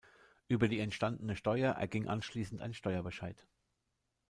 Über die entstandene Steuer erging anschließend ein Steuerbescheid.